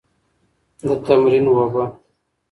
د تمرین اوبه.